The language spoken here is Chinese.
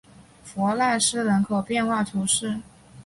弗赖斯人口变化图示